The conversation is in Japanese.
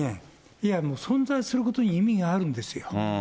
存在することに意味があるんですよ。